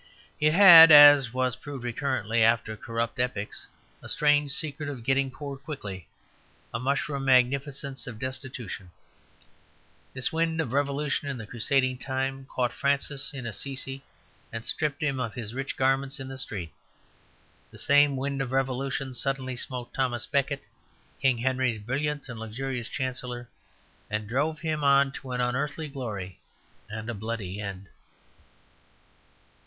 It had, as was proved recurrently after corrupt epochs, a strange secret of getting poor quickly; a mushroom magnificence of destitution. This wind of revolution in the crusading time caught Francis in Assissi and stripped him of his rich garments in the street. The same wind of revolution suddenly smote Thomas Becket, King Henry's brilliant and luxurious Chancellor, and drove him on to an unearthly glory and a bloody end.